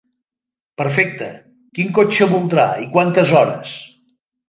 Perfecte, quin cotxe voldrà i quantes hores?